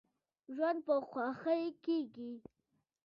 ژوند په خوښۍ کیږي.